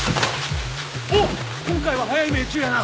おっ今回は早い命中やな。